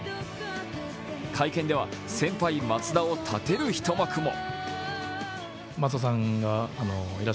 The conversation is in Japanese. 会見では先輩・松田を立てる一幕も。